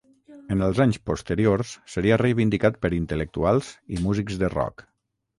En els anys posteriors seria reivindicat per intel·lectuals i músics de rock.